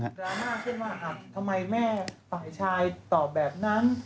ดรามาอย่างเช่นว่าครับทำไมแม่ฝ่ายชายต่อแบบนั้น